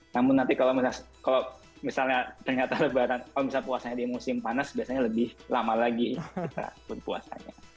namun nanti kalau misalnya ternyata lebaran kalau misalnya puasanya di musim panas biasanya lebih lama lagi kita berpuasanya